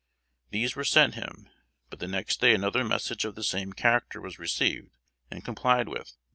These were sent him; but the next day another message of the same character was received, and complied with.